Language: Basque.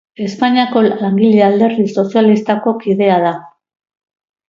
Espainiako Langile Alderdi Sozialistako kidea da.